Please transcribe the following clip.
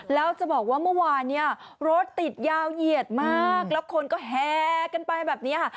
แล้วจะบอกว่าเมื่อวานเนี่ยรถติดยาวเหยียดมากแล้วคนก็แห่กันไปแบบนี้ค่ะ